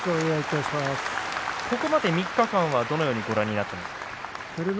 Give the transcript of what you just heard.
ここまで３日間は、どのようにご覧になっていますか。